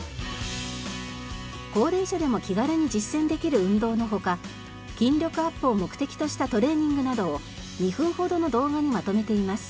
高齢者でも気軽に実践できる運動の他筋力アップを目的としたトレーニングなどを２分ほどの動画にまとめています。